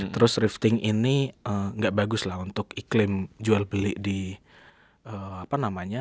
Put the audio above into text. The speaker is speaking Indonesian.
terus trifting ini nggak bagus lah untuk iklim jual beli di apa namanya